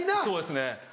そうですね。